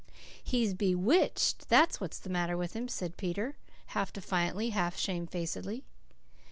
"He's BEWITCHED that's what's the matter with him," said Peter, half defiantly, half shamefacedly.